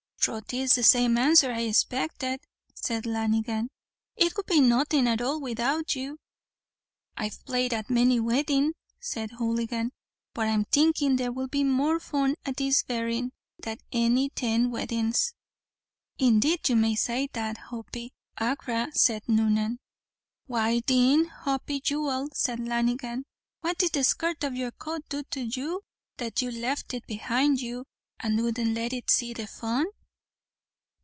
"Throth it's the same answer I expected," said Lanigan. "It would be nothing at all without you." "I've played at many a weddin'," said Hooligan, "but I'm thinkin' there will be more fun at this berrin' than any ten weddin's." "Indeed you may say that, Hoppy, aghra," said Noonan. "Why thin, Hoppy jewel," said Lanigan, "what did the skirt o' your coat do to you that you left it behind you, and wouldn't let it see the fun?"